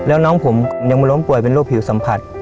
แล้วน้องผมยังมาล้มป่วยเป็นโรคผิวสัมผัส